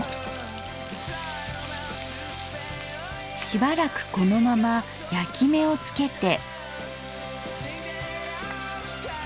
しばらくこのまま焼き目をつけて。